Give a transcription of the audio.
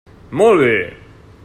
Molt bé!